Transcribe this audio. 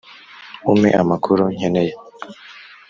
umpe amakuru nkeneye”